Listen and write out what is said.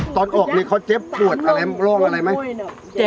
ตอนออกนี่เขาเจ็บปวดเรื่องอะไรไหม